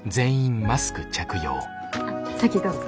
あっ先どうぞ。